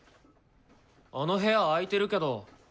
あの部屋開いてるけど。